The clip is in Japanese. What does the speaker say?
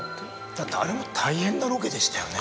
だってあれも大変なロケでしたよね。